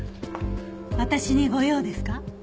私にご用ですか？